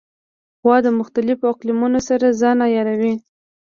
غوا د مختلفو اقلیمونو سره ځان عیاروي.